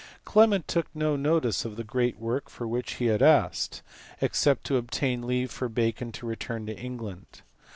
Clement took no notice of the great work for which he had asked, except to obtain leave for Bacon to return to England.